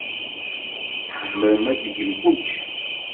Tzemrem ad tgem kullec.